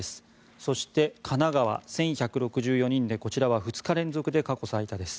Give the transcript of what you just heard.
そして、神奈川、１１６４人でこちらは２日連続で過去最多です。